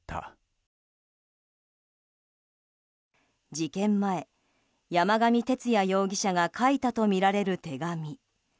事件前、山上徹也容疑者が書いたとみられる手紙。